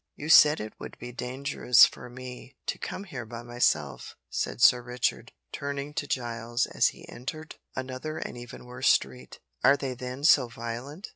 "You said it would be dangerous for me to come here by myself," said Sir Richard, turning to Giles, as he entered another and even worse street. "Are they then so violent?"